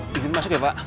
bikin masuk ya pak